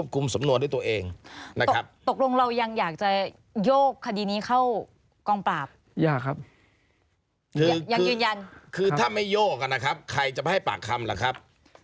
คือถ้าไม่โยกอะนะครับใครจะไปให้ปากคำล่ะครับ